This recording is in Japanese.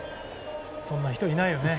そんな人いないよね